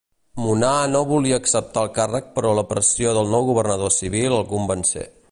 Munar no volia acceptar el càrrec però la pressió del nou Governador Civil el convencé.